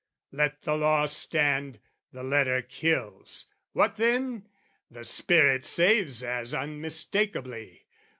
Let the law stand: the letter kills, what then? The spirit saves as unmistakeably.